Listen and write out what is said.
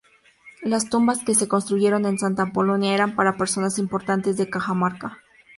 Las tumbas que se construyeron en Santa Apolonia eran para personas importantes de Cajamarca.